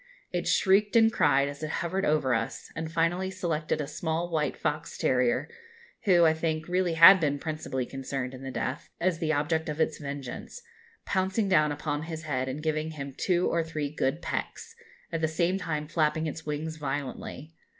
It shrieked and cried, as it hovered over us, and finally selected a small white fox terrier, who, I think, really had been principally concerned in the death, as the object of its vengeance, pouncing down upon his head, and giving him two or three good pecks, at the same time flapping its wings violently.